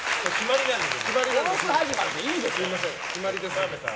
澤部さん。